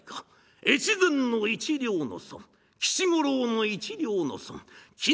越前の一両の損吉五郎の一両の損金